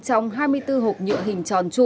trong hai mươi bốn hộp nhựa hình tròn trụ